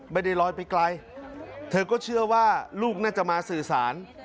ไม่ได้ลอยไปไกลเธอก็เชื่อว่าลูกน่าจะมาสื่อสาร